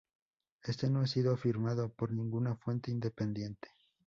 Este no ha sido afirmado por ninguna fuente independiente.